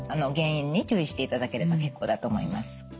減塩に注意していただければ結構だと思います。